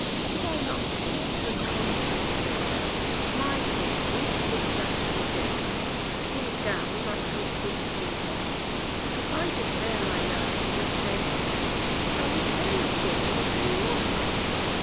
_ Should I not care when CONSTANCE there, My CONSTANCE, with the bashful gaze, Pink gowned like some sweet hollyhock, If I declare my love, just says Some careless thing as if in mock?